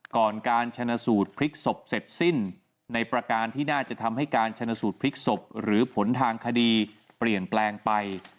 การชนะสูตรพลิกศพเสร็จสิ้นในประการที่น่าจะทำให้การชนสูตรพลิกศพหรือผลทางคดีเปลี่ยนแปลงไป